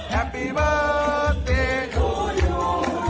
แฮปปี้เบิร์สเจทูยู